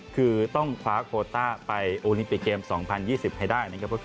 คือต้องคว้าโคต้าไปโอลิมปิกเกม๒๐๒๐ให้ได้นะครับ